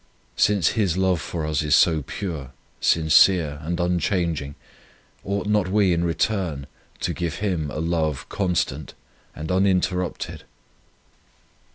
Since His love for us is so pure, sincere, and unchanging, ought not we in return to give Him a love constant and uninterrupted